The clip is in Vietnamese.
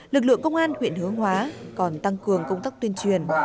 lực lượng công an huyện hướng hóa còn tăng cường công tác tuyên truyền